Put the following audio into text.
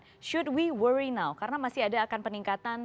mas isanuddin kita risau sekarang karena masih ada akan peningkatan